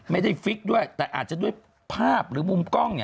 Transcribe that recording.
ฟิกด้วยแต่อาจจะด้วยภาพหรือมุมกล้อง